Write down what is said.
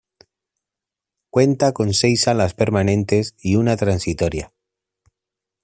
Cuenta con seis salas permanentes y una transitoria.